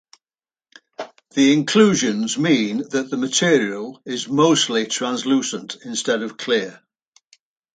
The inclusions mean that the material is mostly translucent instead of clear.